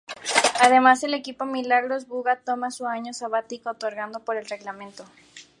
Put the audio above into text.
Además el equipo Milagroso Buga toma su año sabático otorgado por el reglamento.